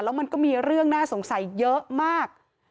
แล้วมันก็มีเรื่องน่าสงสัยเยอะมาก